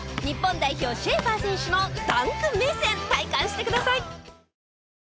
日本代表シェーファー選手のダンク目線体感してください。